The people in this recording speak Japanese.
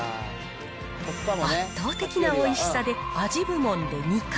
圧倒的なおいしさで、味部門で２冠。